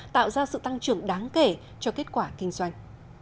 tạo ra sự tăng trưởng đáng kể cho kết quả kinh doanh